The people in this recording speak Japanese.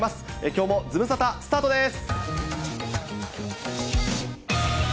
きょうもズムサタ、スタートです。